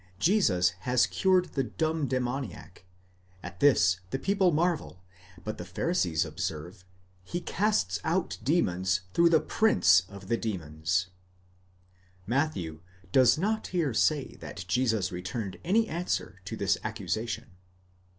Jesus has cured a dumb demoniac; at this the people marvel, but the Pharisees observe, He casts out demons through the prince (ἄρχων) of the demons. Matthew does not here say that Jesus returned any answer to this accusation.